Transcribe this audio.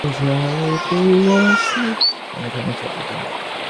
ইহারা যখন ভাঙিয়া যায়, তখন গ্লাসত্বের এবং টেবিলত্বের অনেকখানিই চলিয়া যায়।